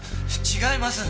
違います。